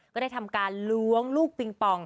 ก็ได้ทำการล้วงลูกปิงปอง